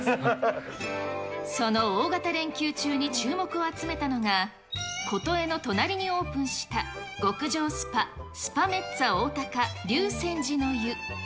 その大型連休中に注目を集めたのが、コトエの隣にオープンした、極上スパ、スパメッツァおおたか竜泉寺の湯。